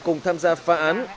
cùng tham gia phá án